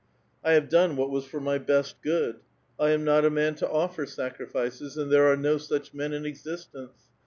I have done what was for my best good. I am not a man to offer sacrifices ; and there are no such men in existence.